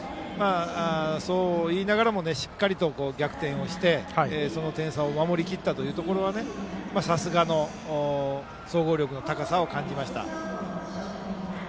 そう言いながらもしっかりと逆転をしてその点差を守りきったところはさすがの総合力の高さを感じました。